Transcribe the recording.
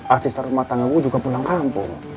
asisten rumah tangga gua juga pulang kampung